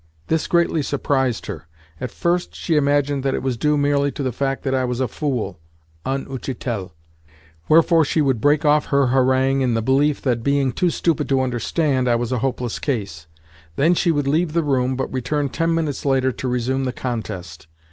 This greatly surprised her. At first she imagined that it was due merely to the fact that I was a fool, "un utchitel"; wherefore she would break off her harangue in the belief that, being too stupid to understand, I was a hopeless case. Then she would leave the room, but return ten minutes later to resume the contest.